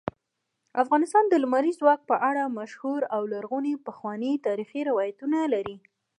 افغانستان د لمریز ځواک په اړه مشهور او لرغوني پخواني تاریخی روایتونه لري.